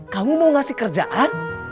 kamu mau ngasih kerjaan